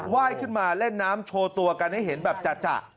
ว่ายขึ้นมาเล่นน้ำโชว์ตัวกันให้เห็นแบบจ่ะ